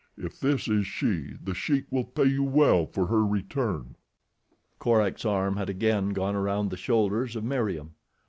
If this is she The Sheik will pay you well for her return." Korak's arm had again gone around the shoulders of Meriem.